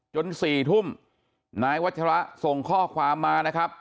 ๔ทุ่มนายวัชระส่งข้อความมานะครับ